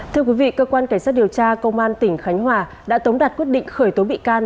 thưa quý vị cơ quan cảnh sát điều tra công an tỉnh khánh hòa đã tống đạt quyết định khởi tố bị can